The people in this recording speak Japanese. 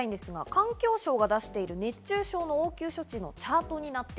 環境省が出している熱中症の応急処置のチャートです。